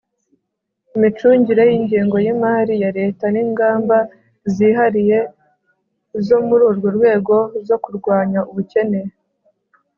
imicungire y'ingengo y'imali ya leta n'ingamba zihariye zo muri urwo rwego zo kurwanya ubukene